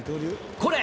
これ。